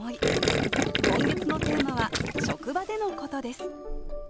今月のテーマは「職場でのこと」です